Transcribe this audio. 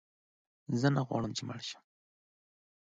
زه نه غواړم چې مړ شم.